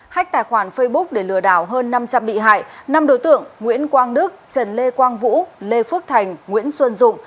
hách tài khoản facebook để lừa đảo hơn năm trăm linh bị hại năm đối tượng nguyễn quang đức trần lê quang vũ lê phước thành nguyễn xuân dụng